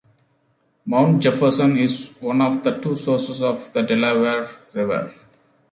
Mount Jefferson is one of the two sources of the Delaware River.